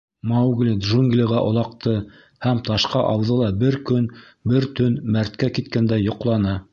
Маугли джунглиға олаҡты һәм ташҡа ауҙы ла бер көн, бер төн мәрткә киткәндәй йоҡланы.